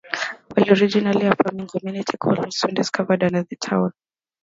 While originally a farming community, coal was soon discovered under the town.